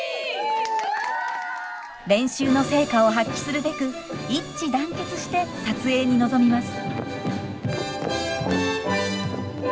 練習の成果を発揮するべく一致団結して撮影に臨みます。